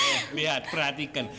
eh lihat perhatikan